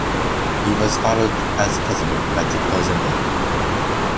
He was followed as president by De Coursey May.